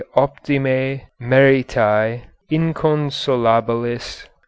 Optime . Meritae . Inconsolabilis